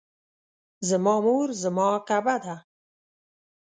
زما مور زما کعبه ده